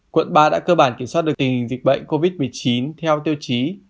quận ba đã cơ bản kiểm soát được tình hình dịch bệnh covid một mươi chín theo tiêu chí